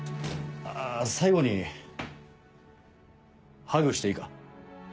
最後にハグしていいか？